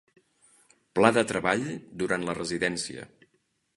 Pla de treball durant la residència.